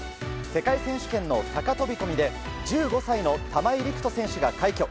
世界選手権の高飛込で１５歳の玉井陸斗さんが快挙。